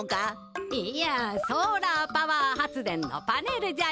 いやソーラーパワー発電のパネルじゃよ。